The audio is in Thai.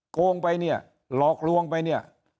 โกงไปเนี่ยหลอกลวงไปเนี่ย